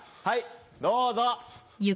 はいどうぞ。